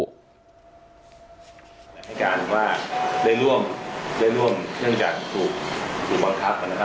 ให้การว่าได้ร่วมได้ร่วมเนื่องจากถูกบังคับนะครับ